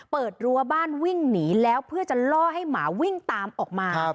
รั้วบ้านวิ่งหนีแล้วเพื่อจะล่อให้หมาวิ่งตามออกมา